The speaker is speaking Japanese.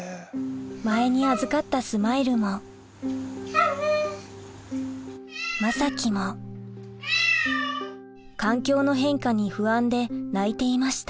前に預かったスマイルもまさきも環境の変化に不安で鳴いていました